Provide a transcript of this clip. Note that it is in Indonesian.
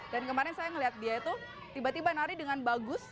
kemarin saya melihat dia itu tiba tiba nari dengan bagus